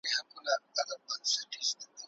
څنګه د خلګو تعامل د مشرتابه تر سیوري لاندې دی؟